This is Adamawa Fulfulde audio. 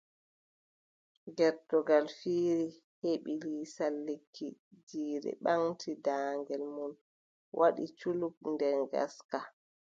Gertogal fiiri heɓi lisal lekki! Jiire ɓaŋti daagel muum waɗi culuk nder ngaska!